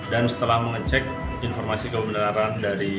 dan setelah mengecek informasi kebenaran dari